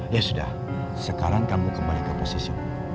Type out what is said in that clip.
ya sudah sekarang kamu kembali ke posisi umur